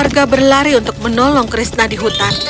mereka juga berlari untuk menolong krishna di hutan